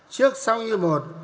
trước sau như một